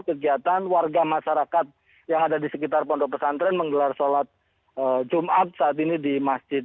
kegiatan warga masyarakat yang ada di sekitar pondok pesantren menggelar sholat jumat saat ini di masjid